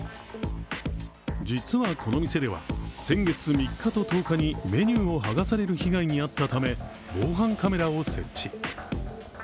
実はこの店では、先月３日と１０日にメニューを剥がされる被害に遭ったため防犯カメラを設置。